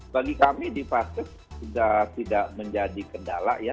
bagi kami di fase sudah tidak menjadi kendala ya